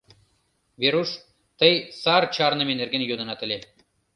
«Веруш, тый сар чарныме нерген йодынат ыле.